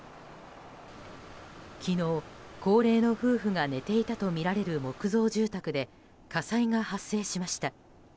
昨日、高齢の夫婦が寝ていたとみられる木造住宅で火災が発生しました。